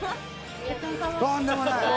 とんでもない。